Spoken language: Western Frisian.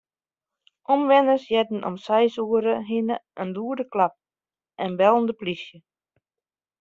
Omwenners hearden om seis oere hinne in lûde klap en bellen de plysje.